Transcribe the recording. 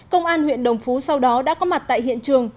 công an huyện đồng phú sau đó đã có mặt tại hiện trường